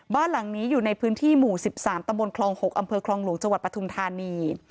บ้านหลังนี้อยู่ในพื้นที่หมู่๑๓ตค๖อคลหลวงจปทุมธานี